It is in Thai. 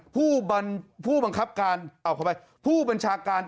ผู้บันผู้บังคับการเอาเข้าไปผู้บัญชาการตำรวจ